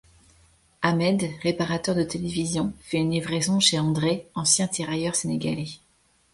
Ahmed, réparateur de télévisions, fait une livraison chez André, ancien tirailleur sénégalais.